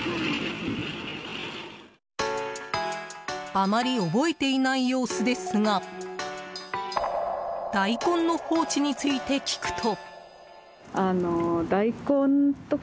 あまり覚えていない様子ですが大根の放置について聞くと。